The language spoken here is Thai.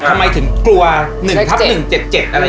ทำไมถึงกลัว๑ทับ๑๗๗อะไรอย่างนี้